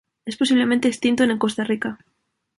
Es posiblemente extinto en Costa Rica.